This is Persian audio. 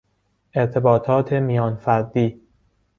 ارتباطات میان فردی